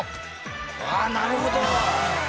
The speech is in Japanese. ああなるほど！